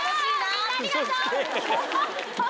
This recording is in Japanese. みんなありがとう。